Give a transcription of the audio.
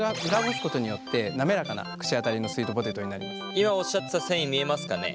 今おっしゃってた繊維見えますかね。